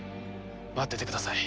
待っててください。